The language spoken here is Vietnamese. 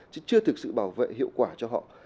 chứ chưa thực sự bảo vệ hiệu quả cho họ